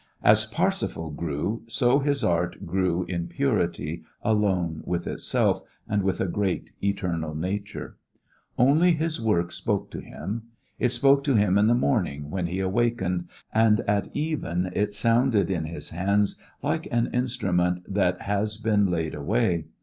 As Parsifal grew so his art grew in purity alone with itself and with a great eternal Nature. Only his work spoke to him. It spoke to him in the morning when he awakened, and at even it sounded in his hands like an instrument that has been laid away.